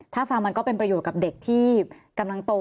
ถ้าฟังมันก็เป็นประโยชน์กับเด็กที่กำลังโต